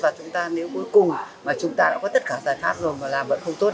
và chúng ta nếu cuối cùng mà chúng ta đã có tất cả giải pháp rồi mà làm vẫn không tốt